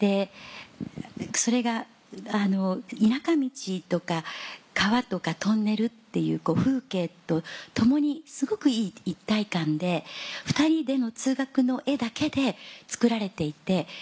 それが田舎道とか川とかトンネルっていう風景とともにすごくいい一体感で２人での通学の画だけで作られていて。